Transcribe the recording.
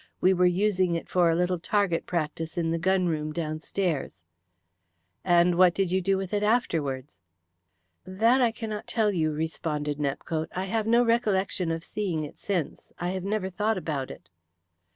We were using it for a little target practice in the gun room downstairs." "And what did you do with it afterwards?" "That I cannot tell you," responded Nepcote. "I have no recollection of seeing it since. I have never thought about it."